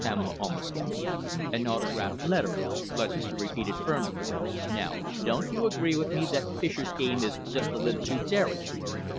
Pamela almost gasped. "An autograph letter," Lutchester repeated firmly. "Now don't you agree with me that Fischer's game is just a little too daring?"